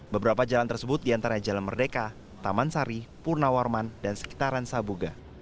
beberapa jalan tersebut di antara jalan merdeka taman sari purna warman dan sekitaran sabuga